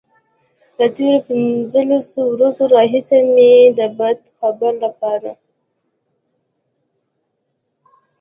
له تېرو پنځلسو ورځو راهيسې مې د بد خبر لپاره.